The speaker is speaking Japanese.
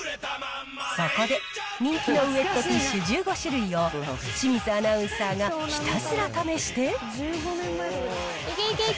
そこで、人気のウエットティッシュ１５種類を、清水アナウンサーがひたすら試して。